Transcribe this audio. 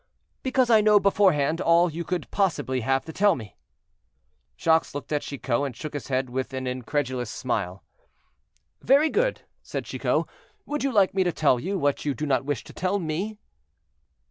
"Because I know beforehand all you could possibly have to tell me." Jacques looked at Chicot and shook his head with an incredulous smile. "Very good!" said Chicot, "would you like me to tell you what you do not wish to tell me?"